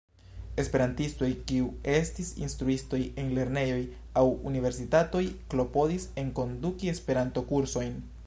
Esperantistoj kiu estis instruistoj en lernejoj aŭ universitatoj klopodis enkonduki Esperanto-kursojn.